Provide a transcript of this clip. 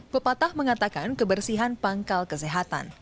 pepatah mengatakan kebersihan pangkal kesehatan